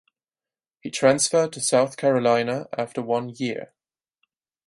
He transferred to South Carolina after one year.